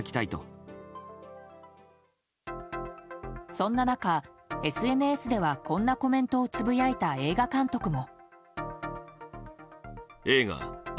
そんな中、ＳＮＳではこんなコメントをつぶやいた映画監督も。